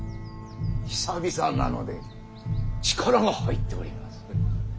久々なので力が入っております。